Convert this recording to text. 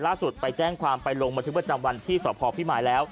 ล่าสุดไปแจ้งความไปลงมาถึงประจำวันที่สอบคอพี่หมายแล้ว